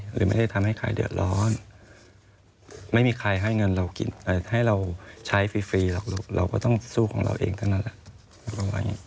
หรือไม่ได้ทำให้ใครเดือดร้อนไม่มีใครให้เราใช้ฟรีหรอกเราก็ต้องสู้ของเราเองเท่านั้นแหละ